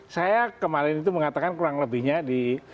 saya kemarin itu mengatakan kurang lebihnya di